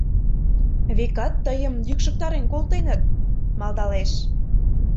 Векат, тыйым йӱкшыктарен колтеныт, — малдалеш.